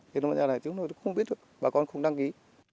thế nên là chúng tôi cũng không biết được bà con không đăng ký